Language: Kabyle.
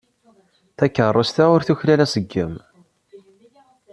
Takeṛṛust-a ur tuklal aṣeggem.